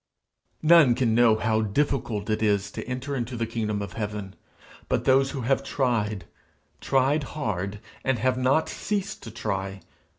None can know how difficult it is to enter into the kingdom of heaven, but those who have tried tried hard, and have not ceased to try.